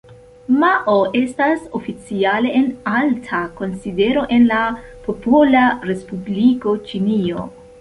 Mao estas oficiale en alta konsidero en la Popola Respubliko Ĉinio.